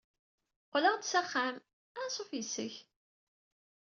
Qqleɣ-d s axxam. Ansuf yes-k.